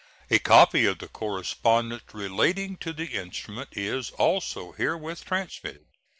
A copy of the correspondence relating to the instrument is also herewith transmitted.